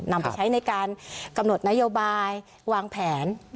นำไปใช้ในการกำหนดนโยบายวางแผน